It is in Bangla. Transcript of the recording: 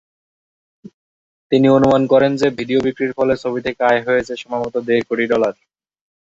তিনি অনুমান করেন যে, ভিডিও বিক্রির ফলে ছবি থেকে আয় হয়েছে "সম্ভবত দেড় কোটি ডলার"।